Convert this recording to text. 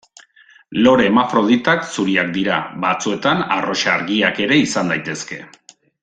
Lore hermafroditak zuriak dira, batzuetan arrosa argiak ere izan daitezke.